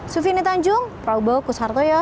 sufini tanjung prabowo kusartojo jakarta